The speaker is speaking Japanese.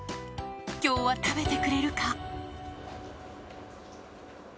今日は食べてくれるか？